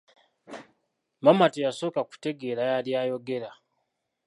Maama teyasooka kutegeera yali ayogera.